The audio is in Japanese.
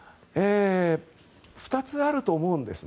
２つあると思うんです。